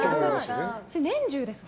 年中ですか？